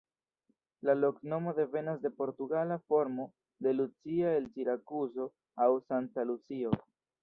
La loknomo devenas de portugala formo de Lucia el Sirakuzo aŭ "Sankta Lucio".